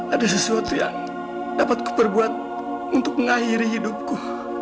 ada sesuatu yang dapatku perbuat untuk mengakhiri hidupku